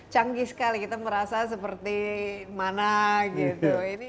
canggih sekali kita merasa seperti mana gitu